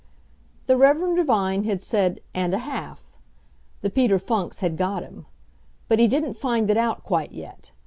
The reverend divine had said, "And a half." The Peter Funks had got him! But he didn't find it out quite yet.